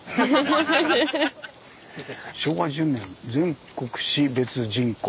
「昭和１０年全国市別人口」。